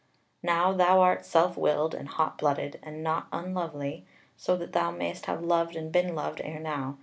Now, thou art self willed, and hot blooded, and not unlovely, so that thou mayst have loved and been loved ere now.